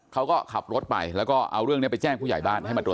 เขาก็ขับรถไปแล้วก็เอาเรื่องนี้ไปแจ้งผู้ใหญ่บ้านให้มาตรวจ